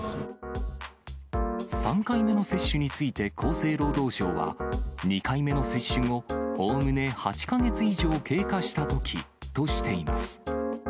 ３回目の接種について、厚生労働省は、２回目の接種後、おおむね８か月以上経過したときとしています。